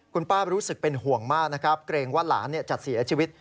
คุณป้ารู้สึกเป็นห่วงมากนะครับเกรงว่าหลานจะเสียชีวิต